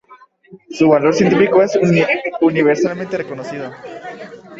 Su valor científico es universalmente reconocido.